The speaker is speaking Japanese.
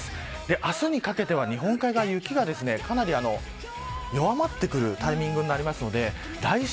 明日にかけては日本海側、雪がかなり弱まってくるタイミングになりますので来週